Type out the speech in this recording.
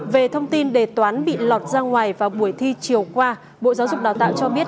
về thông tin đề toán bị lọt ra ngoài vào buổi thi chiều qua bộ giáo dục đào tạo cho biết